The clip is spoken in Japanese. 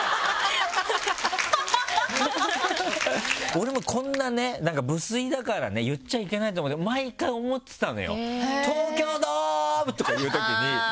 俺もこんなねなんか無粋だからね言っちゃいけないと思って毎回思ってたのよ。